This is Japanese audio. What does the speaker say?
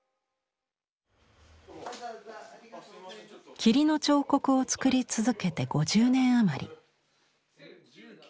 「霧の彫刻」を作り続けて５０年余り。